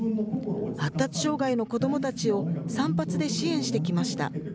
発達障害の子どもたちを散髪で支援してきました。